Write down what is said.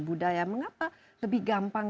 budaya mengapa lebih gampang